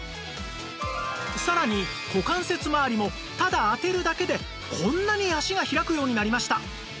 さらに股関節まわりもただ当てるだけでこんなに脚が開くようになりました